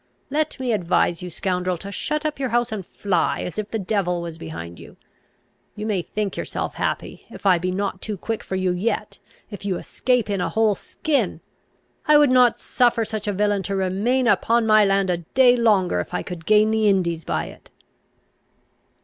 Let me advise you, scoundrel, to shut up your house and fly, as if the devil was behind you! You may think yourself happy, if I be not too quick for you yet, if you escape in a whole skin! I would not suffer such a villain to remain upon my land a day longer, if I could gain the Indies by it!"